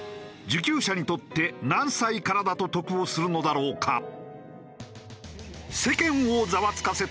受給者にとって何歳からだと得をするのだろうか？